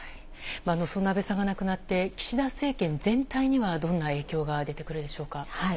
そんな安倍さんが亡くなって、岸田政権全体にはどんな影響が出てくるでしょうか。